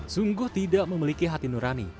sungguh tidak memiliki hati nurani